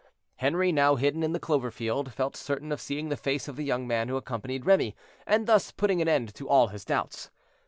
Henri, now hidden in the clover field, felt certain of seeing the face of the young man who accompanied Remy, and thus putting an end to all his doubts.